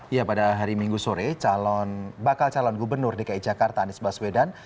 ya pada hari minggu sore bakal calon gubernur dki jakarta anies baswedan